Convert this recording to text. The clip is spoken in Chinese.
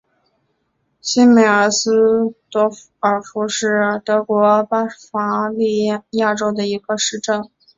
西梅尔斯多尔夫是德国巴伐利亚州的一个市镇。